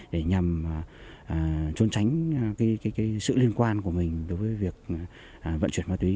để nhằm trốn tránh sự liên quan của mình đối với việc vận chuyển ma túy